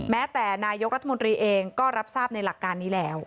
แม้แต่นายกรัฐมนตรีเองก็รับทราบในหลักการนี้แล้ว